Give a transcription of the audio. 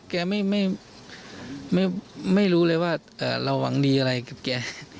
แกไม่รู้เลยว่าเราหวังดีอะไรกับแก